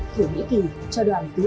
thổ nhĩ kỳ cho đoàn công tác điều trị